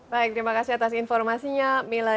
baik terima kasih atas informasinya mila